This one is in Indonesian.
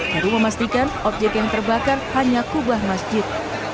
heru memastikan objek yang terbakar hanya kubah masjid